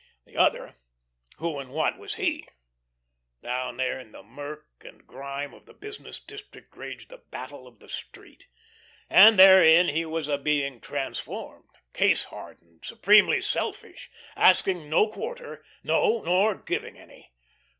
The other, who and what was he? Down there in the murk and grime of the business district raged the Battle of the Street, and therein he was a being transformed, case hardened, supremely selfish, asking no quarter; no, nor giving any.